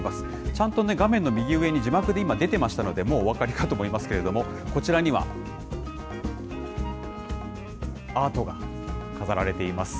ちゃんとね、画面の右上に字幕で今、出てましたので、もうお分かりかと思いますけれども、こちらにはアートが飾られています。